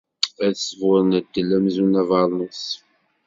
Ad sburren ddel amzun d abernus.